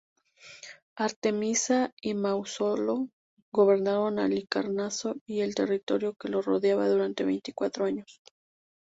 Artemisia y Mausolo gobernaron Halicarnaso y el territorio que lo rodeaba durante veinticuatro años.